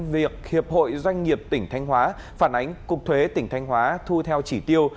việc hiệp hội doanh nghiệp tỉnh thanh hóa phản ánh cục thuế tỉnh thanh hóa thu theo chỉ tiêu